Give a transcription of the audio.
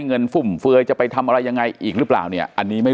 ฟุ่มเฟือยจะไปทำอะไรยังไงอีกหรือเปล่าเนี่ยอันนี้ไม่